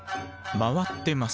回ってます。